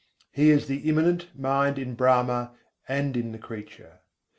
He is the Immanent Mind in Brahma and in the creature.